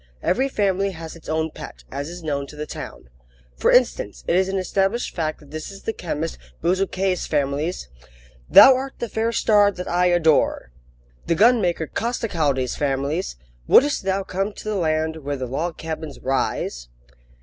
Every family has its own pet, as is known to the town. For instance, it is an established fact that this is the chemist Bezuquet's family's: "Thou art the fair star that I adore!" The gunmaker Costecalde's family's: "Would'st thou come to the land Where the log cabins rise?"